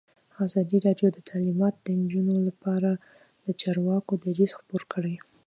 ازادي راډیو د تعلیمات د نجونو لپاره لپاره د چارواکو دریځ خپور کړی.